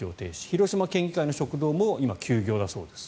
広島県議会の食堂も今、休業だそうです。